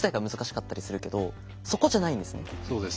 そうですね。